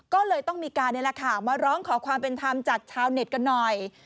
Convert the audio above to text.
ก็เลยต้องมีการนี่แหละค่ะมาร้องขอความเป็นธรรมจากชาวเน็ตกันหน่อย